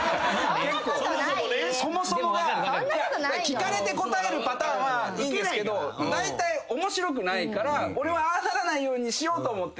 聞かれて答えるパターンはいいんですけどだいたい面白くないから俺はああならないようにしようと思って。